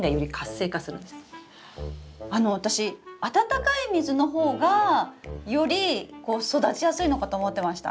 私温かい水の方がより育ちやすいのかと思ってました。